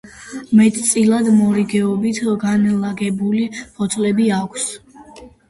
მეტწილად მორიგეობით განლაგებული ფოთლები აქვს.